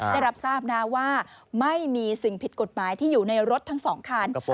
ได้รับทราบนะว่าไม่มีสิ่งผิดกฎหมายที่อยู่ในรถทั้ง๒คัน